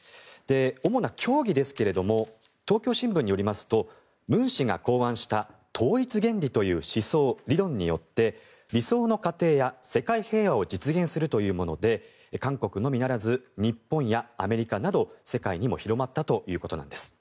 主な教義ですけれども東京新聞によりますとムン氏が考案した統一原理という思想・理論によって理想の家庭や世界平和を実現するというもので韓国のみならず日本、アメリカなど世界にも広まったということです。